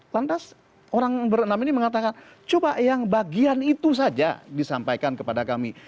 lantas orang berenam ini mengatakan coba yang bagian itu saja disampaikan kepada kami